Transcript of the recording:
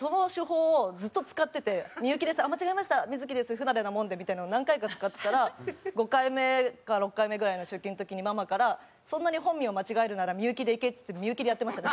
不慣れなもんで」みたいなのを何回か使ってたら５回目か６回目ぐらいの出勤の時にママから「そんなに本名間違えるなら“幸”でいけ」っつって「幸」でやってましたね